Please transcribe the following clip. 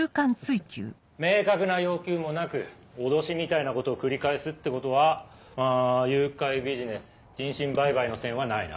明確な要求もなく脅しみたいなことを繰り返すってことは誘拐ビジネス人身売買の線はないな。